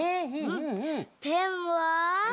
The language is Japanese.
ペンは？